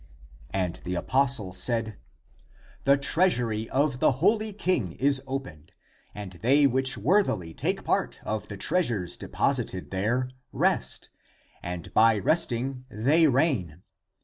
And the apos tle said, " The treasury of the holy King is opened, 336 THE APOCRYPHAL ACTS and they which worthily take part of the treasures deposited there rest, and by resting they reign.